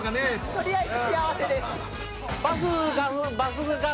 とりあえず幸せ。